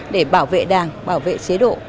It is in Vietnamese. để bảo vệ đảng bảo vệ chế độ